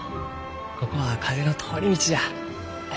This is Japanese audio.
ここは風の通り道じゃ。